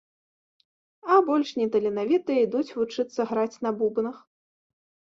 А больш неталенавітыя ідуць вучыцца граць на бубнах.